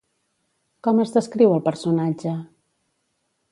Com es descriu el personatge?